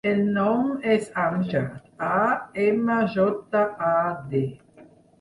El nom és Amjad: a, ema, jota, a, de.